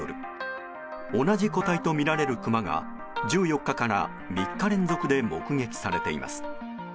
同じ個体とみられるクマが１４日から３日連続で目撃されています。